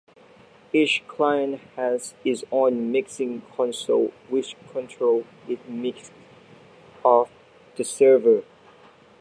Each client has its own mixing console which controls its mix on the server.